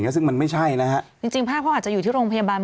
คุณจะออกมาพูดเล่นเหรอ